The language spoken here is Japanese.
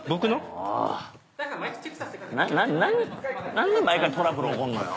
何で毎回トラブル起こんのよ。